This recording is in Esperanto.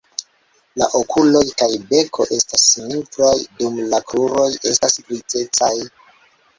La okuloj kaj beko estas nigraj, dum la kruroj estas grizecaj.